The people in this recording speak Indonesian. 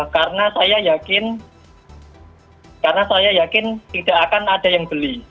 karena saya yakin karena saya yakin tidak akan ada yang beli